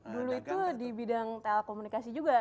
dulu itu di bidang telekomunikasi juga